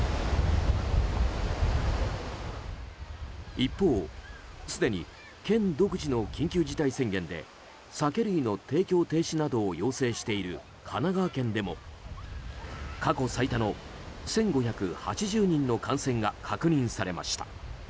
一方、すでに県独自の緊急事態宣言で酒類の提供停止などを要請している神奈川県でも過去最多の１５８０人の感染が確認されました。